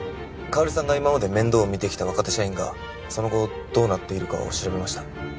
香織さんが今まで面倒を見てきた若手社員がその後どうなっているかを調べました。